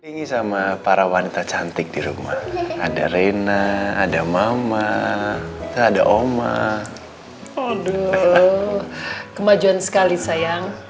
tinggi sama para wanita cantik di rumah ada reina ada mama kemajuan sekali sayang